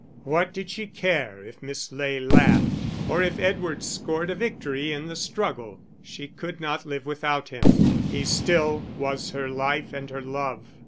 What did she care if Miss Ley laughed, or if Edward scored a victory in the struggle she could not live without him. He still was her life and her love.